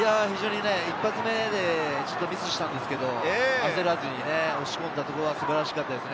１発目でミスしたんですけれど、焦らずに押し込んだところが素晴らしかったですね。